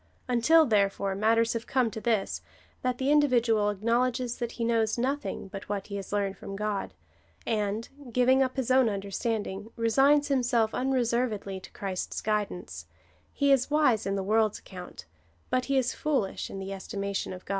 Until, therefore, matters have come to this, that the individual acknowledges that he knows nothing but what he has learned from God, and, giving up his own understanding, resigns himself un reservedly to Christ's guidance, he is wise in the world's account, but he is foolish in the estimation of God.